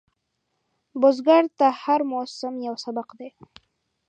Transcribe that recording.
بزګر ته هر موسم یو سبق دی